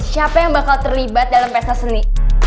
siapa yang bakal terlibat dalam pesta seni